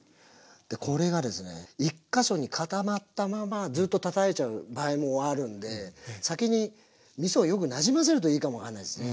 これがですね１か所に固まったままずっとたたいちゃう場合もあるんで先にみそをよくなじませるといいかも分かんないですね。